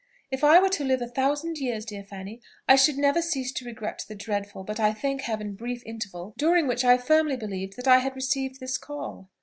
If I were to live a thousand years, dear Fanny, I should never cease to regret the dreadful, but, I thank Heaven brief interval, during which I firmly believed that I had received this call.